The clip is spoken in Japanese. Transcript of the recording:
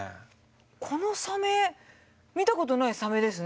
このサメ見たことないサメですね。